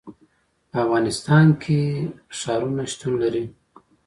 په افغانستان کې ښارونه شتون لري.